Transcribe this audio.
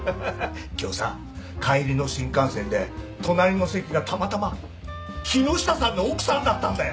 今日さ帰りの新幹線で隣の席がたまたま木下さんの奥さんだったんだよ！